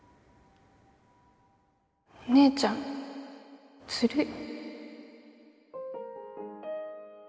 お姉ちゃんずるい。